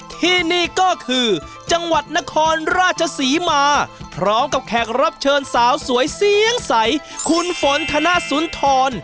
ที่นี่ก็คือจังหวัดนครราชศรีมาพร้อมกับแขกรับเชิญสาวสวยเสียงใสคุณฝนธนสุนทร